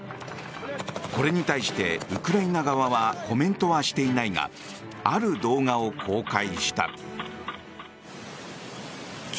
これに対してウクライナ側はコメントはしていないがある動画を公開した。